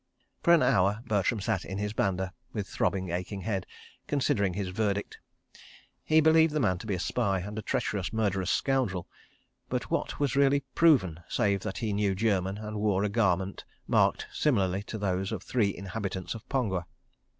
... For an hour Bertram sat in his banda with throbbing, aching head, considering his verdict. He believed the man to be a spy and a treacherous, murderous scoundrel—but what was really proven, save that he knew German and wore a garment marked similarly to those of three inhabitants of Pongwa?